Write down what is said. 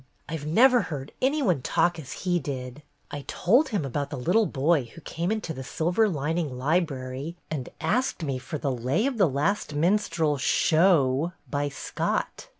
I've never heard any one talk as he did. I told him about the little boy who came into the 'Silver Lining Library' and asked me for 'The Lay of the Last Min strel Show, by Scott.